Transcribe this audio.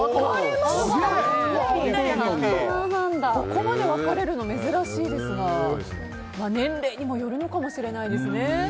ここまで分かれるの珍しいですが年齢にもよるのかもしれないですね。